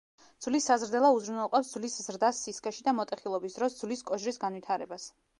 ძვლისაზრდელა უზრუნველყოფს ძვლის ზრდას სისქეში და მოტეხილობის დროს ძვლის კოჟრის განვითარებას.